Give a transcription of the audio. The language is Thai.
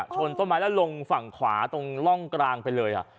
ชนต้นไม้แล้วลงฝั่งขวาตรงร่องกลางไปเลย